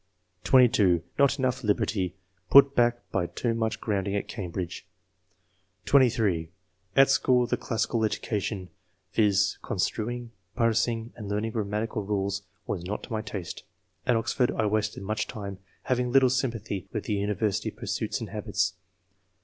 (22) " Not enough liberty ; put back by too much grounding at Cambridge/' (23) " At school the classical education, viz., construing, parsing and learning grammatical rules, was not to my taste. At Oxford I wasted much time, having little sympathy with the university pursuits and habits."